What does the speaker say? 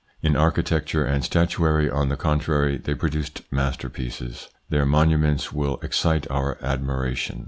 In architecture and statuary, on the contrary, they produced masterpieces. Their monuments still excite our admiration.